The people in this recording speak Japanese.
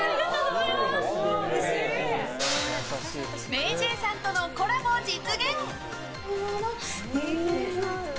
ＭａｙＪ．さんとのコラボ実現。